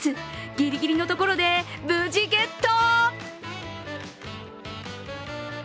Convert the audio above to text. ギリギリのところで無事ゲット！